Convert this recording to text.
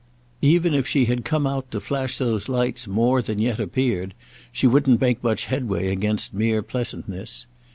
Even if she had come out to flash those lights more than yet appeared she wouldn't make much headway against mere pleasantness.